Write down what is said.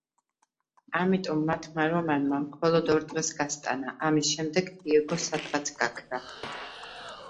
ამიტომ მათმა რომანმა მხოლოდ ორ დღეს გასტანა ამის შემდეგ დიეგო სადღაც გაქრა.